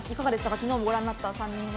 昨日もご覧になった３人は。